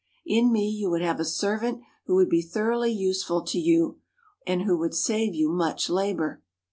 In me you would have a servant who would be thoroughly useful to you, and who would save you much labor."